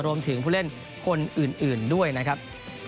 รวมถึงผู้เล่นคนอื่นด้วยนะครับ